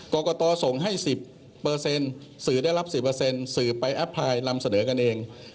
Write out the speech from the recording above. กรกตส่งให้๑๐สื่อได้รับ๑๐สื่อไปแอปไลน์นำเสนอกันเอง